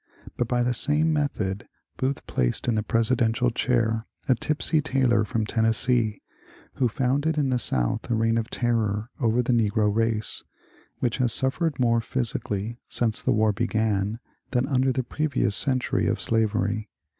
But by the same method Booth placed in the presidential chair a tipsy tailor from Tennessee, who founded in the South a reign of terror over the negro race, — which has suffered more physically since the war began than under the previous century of slavery.